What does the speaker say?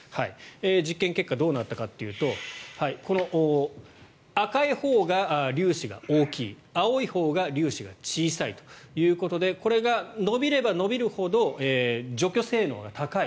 実験結果、どうなったかというとこの赤いほうが粒子が大きい青いほうが粒子が小さいということでこれが伸びれば伸びるほど除去性能が高い。